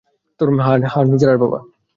হ্যাঁ, নির্জারার বাবা।